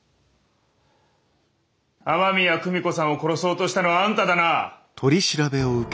雨宮久美子さんを殺そうとしたのはあんただな？